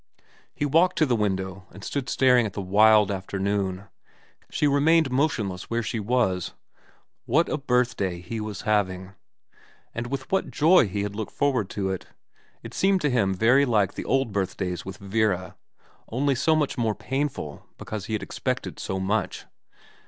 He walked to the window and stood staring at the wild afternoon. She remained motionless where she was. What a birthday he was having. And with what joy he had looked forward to it. It seemed to him very like the old birthdays with Vera, only so much more painful because he had expected so much.